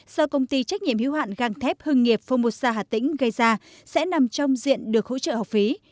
do công ty trách nhiệm hiếu hạn găng thép hưng nghiệp phô mô sa hà tĩnh gây ra sẽ nằm trong diện được hỗ trợ học phí